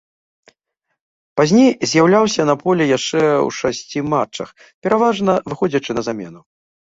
Пазней з'яўляўся на полі яшчэ ў шасці матчах, пераважна выходзячы на замену.